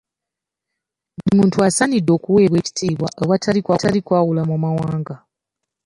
Buli muntu assanidde okuweebwa ekitiibwa awatali kwawula mu mawanga.